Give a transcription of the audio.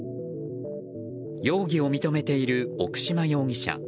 容疑を認めている奥島容疑者。